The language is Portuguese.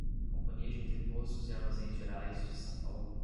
Companhia de Entrepostos e Armazéns Gerais de São Paulo